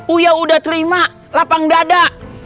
uya udah terima lapang dada